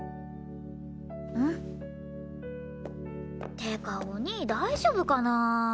ってかお兄大丈夫かな？